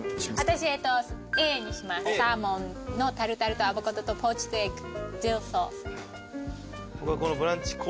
私Ａにしますサーモンのタルタルとアボカドとポーチドエッグディルソース。